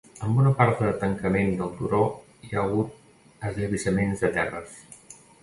En bona part del tancament del turó hi ha hagut esllavissaments de terres.